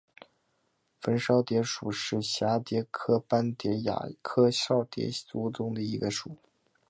纹绡蝶属是蛱蝶科斑蝶亚科绡蝶族中的一个属。